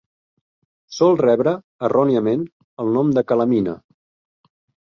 Sol rebre, erròniament, el nom de calamina.